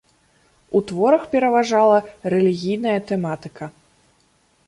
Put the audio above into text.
У творах пераважала рэлігійная тэматыка.